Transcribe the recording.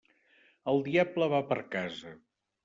El diable va per casa.